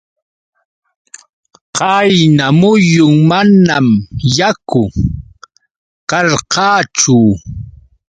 Qayna muyun manam yaku karqachu.